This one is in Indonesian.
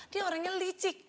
dia orangnya licik